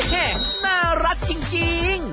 น่ารักจริง